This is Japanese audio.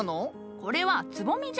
これはつぼみじゃ。